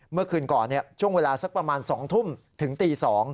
เมื่อคืนก่อนช่วงเวลาสักประมาณ๒ทุ่มถึงตี๒